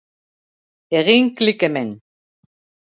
Egin klik hemen